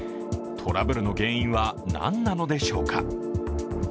トラブルの原因は何なのでしょうか。